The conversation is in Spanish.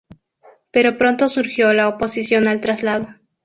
Pero pronto surgió la oposición al traslado.